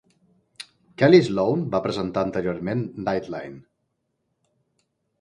Kellie Sloane va presentar anteriorment "Nightline"